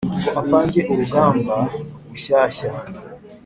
ngo apange urugamba bushyashya,